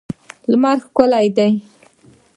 لمر ښکلی دی.